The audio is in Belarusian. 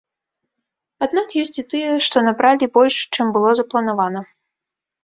Аднак ёсць і тыя, што набралі больш, чым было запланавана.